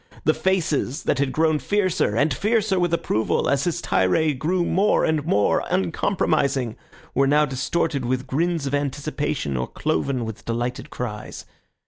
The faces, that had grown fiercer and fiercer with approval as his tirade grew more and more uncompromising, were now distorted with grins of anticipation or cloven with delighted cries.